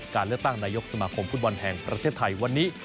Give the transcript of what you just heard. การเลือกตั้งนายกสมาคมฟุตบอลแห่งประเทศไทยวันนี้